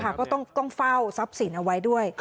ก็ต้องเฝ้าทรัพย์สินเอาไว้ด้วย